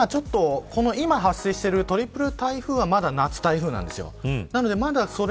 今発生しているトリプル台風はまだ夏台風なんです。